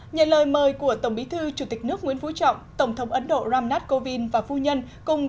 nhận lời mời của tổng bí thư chủ tịch nước nguyễn phú trọng tổng thống ấn độ ram nath kovind và phu nhân